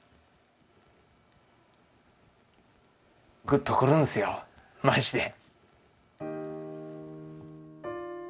ぐっとくるんすよマジで。